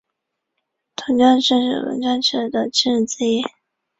格拉那再也线的占美清真寺站属于布特拉轻快铁。